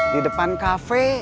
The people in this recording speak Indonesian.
di depan kafe